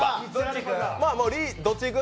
どっちいく？